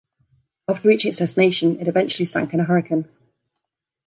After reaching its destination it eventually sank in a hurricane.